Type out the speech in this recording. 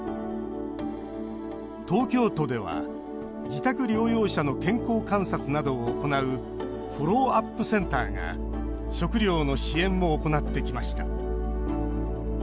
東京都では、自宅療養者の健康観察などを行うフォローアップセンターが食料の支援も行ってきました。